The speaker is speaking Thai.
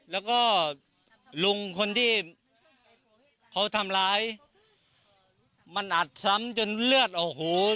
แล้วก็ลุงคนที่เขาทำร้ายมันอัดซ้ำจนเลือดโอ้โห